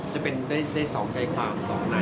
จะเป็นในซองใจความซองใน